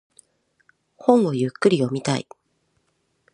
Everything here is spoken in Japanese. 本をゆっくり読みたい。